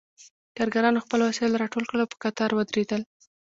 کارګرانو خپل وسایل راټول کړل او په قطار ودرېدل